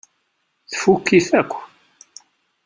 Tfukk-it akk.